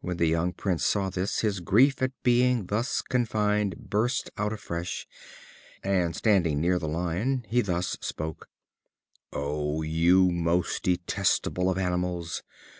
When the young Prince saw this, his grief at being thus confined burst out afresh, and standing near the lion, he thus spoke: "O you most detestable of animals!